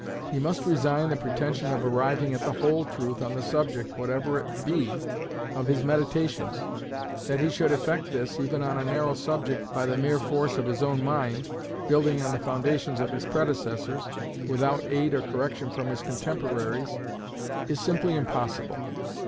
He must resign the pretension of arriving at the whole truth on the subject, whatever it be, of his meditations. That he should effect this, even on a narrow subject, by the mere force of his own mind, building on the foundations of his predecessors, without aid or correction from his contemporaries, is simply impossible.